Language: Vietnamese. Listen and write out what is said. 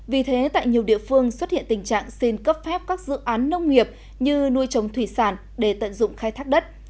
vì thế tại nhiều địa phương xuất hiện tình trạng xin cấp phép các dự án nông nghiệp như nuôi trồng thủy sản để tận dụng khai thác đất